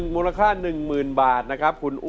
มูลค่าหนึ่งหมื่นบาทนะครับคุณอ้วน